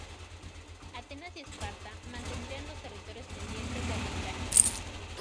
Atenas y Esparta mantendrían los territorios pendientes de arbitraje.